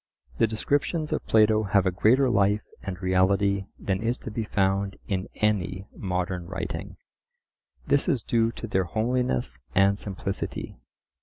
The descriptions of Plato have a greater life and reality than is to be found in any modern writing. This is due to their homeliness and simplicity.